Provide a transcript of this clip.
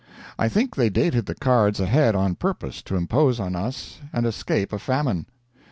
I think they dated the cards ahead on purpose to impose on us and escape a famine.